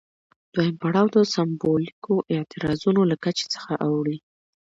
دویم پړاو د سمبولیکو اعتراضونو له کچې څخه اوړي.